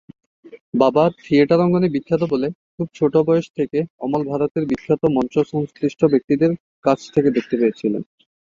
বাবা থিয়েটার অঙ্গনে বিখ্যাত বলে খুব ছোট বয়স থেকেই অমল ভারতের বিখ্যাত মঞ্চ সংশ্লিষ্ট ব্যক্তিদের কাছ থেকে দেখতে পেয়েছিলেন।